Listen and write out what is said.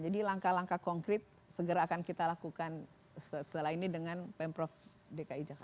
jadi langkah langkah konkret segera akan kita lakukan setelah ini dengan pemprov dki jakarta